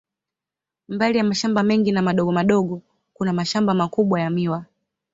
Mbali ya mashamba mengi madogo madogo, kuna mashamba makubwa ya miwa.